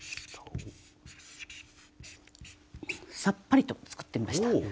さっぱりと作ってみました。